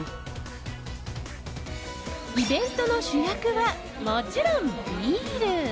イベントの主役はもちろんビール。